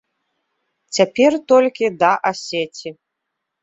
Цяпер толькі да асеці.